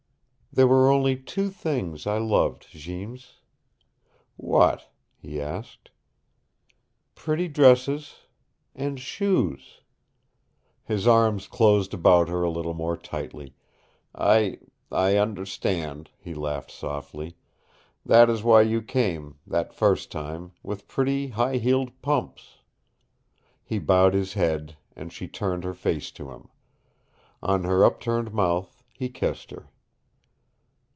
There were only two things I loved, Jeems " "What?" he asked. "Pretty dresses and shoes." His arms closed about her a little more tightly. "I I understand," he laughed softly. "That is why you came, that first time, with pretty high heeled pumps." He bowed his head, and she turned her face to him. On her upturned mouth he kissed her.